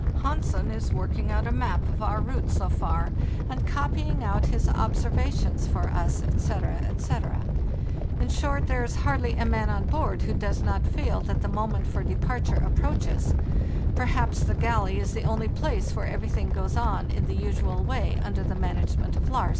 Hansen is working out a map of our route so far, and copying out his observations for us, etc., etc. In short, there is hardly a man on board who does not feel that the mo ment for departure approaches; perhaps the galley is the only place where everything goes on in the usual way under the management of Lars.